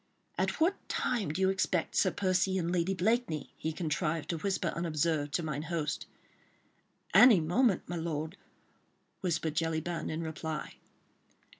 "At what time do you expect Sir Percy and Lady Blakeney?" he contrived to whisper unobserved, to mine host. "Any moment, my lord," whispered Jellyband in reply.